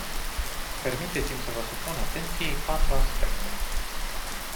Permiteți-mi să vă supun atenției patru aspecte.